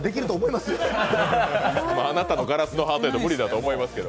まあ、あなたのガラスのハートやと無理やと思いますけど。